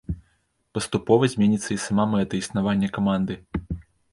Паступова зменіцца і сама мэта існавання каманды.